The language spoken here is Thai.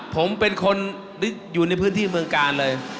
ผมเป็นคนอยู่ในพื้นที่เมืองกาลเลย